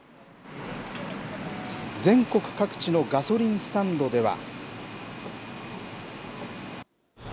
全国各地のガソリンスタンドでは。